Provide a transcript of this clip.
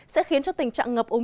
sẽ khiến cho tình trạng ngập úng